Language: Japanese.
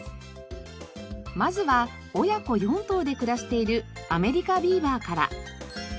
まずは親子４頭で暮らしているアメリカビーバーから。